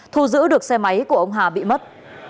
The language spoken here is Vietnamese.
thu giữ được xe máy của ông hà bị mất